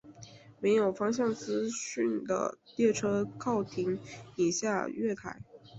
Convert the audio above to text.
没有方向资讯的列车停靠以下月台。